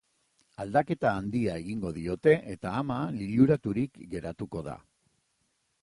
Aldaketa handia egingo diote, eta ama liluraturik geratuko da.